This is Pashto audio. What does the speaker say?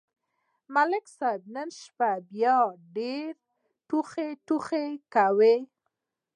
ملک صاحب خو نن شپه بیا ډېر ټوخ ټوخ کاوه